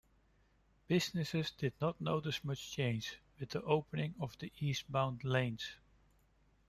Businesses did not notice much change with the opening of the eastbound lanes.